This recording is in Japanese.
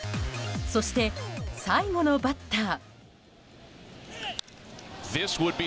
そして最後のバッター。